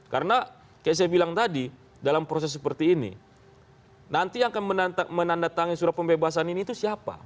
karena kayak saya bilang tadi dalam proses seperti ini nanti akan menandatangani surat pembebasan ini itu siapa